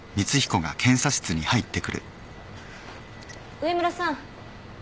上村さん。